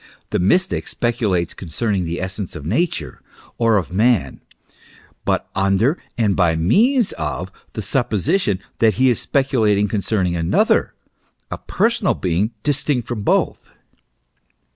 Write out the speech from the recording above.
The mystic speculates concerning the essence of Nature or of man, but under, and by means of, the suppo sition that he is speculating concerning another, a personal being, distinct from both.